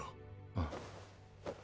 うん。